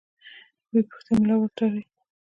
بې پوښتنې ملا ورتړي.